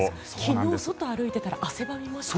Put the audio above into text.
昨日、外を歩いていたら汗ばみました。